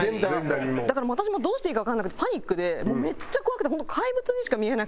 だから私もどうしていいかわからなくてパニックでもうめっちゃ怖くて本当怪物にしか見えなくて。